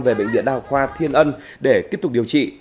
về bệnh viện đào khoa thiên ân để tiếp tục điều trị